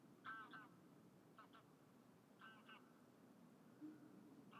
Itsaso kizkurra edo itsaskirria eragingo du.